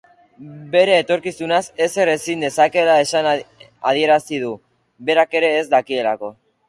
Bere etorkizunaz ezer ezin dezakeela esan adierazu du, berak ere ez dakielako.